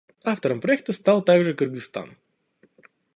Автором проекта стал также Кыргызстан.